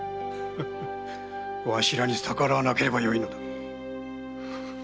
わしらに逆らわなければよいのだ！